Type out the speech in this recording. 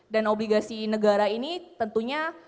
dan obligasi negara ini tentunya